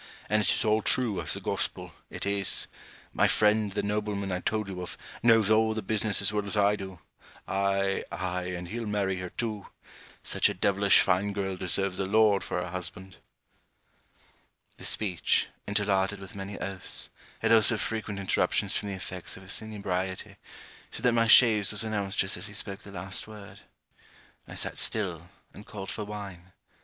And it is all true as the gospel it is. My friend, the nobleman I told you of, knows all the business as well as I do ay, ay, and he'll marry her too. Such a devilish fine girl deserves a lord for her husband.' This speech, interlarded with many oaths, had also frequent interruptions from the effects of his inebriety, so that my chaise was announced just as he spoke the last word. I sat still, and called for wine.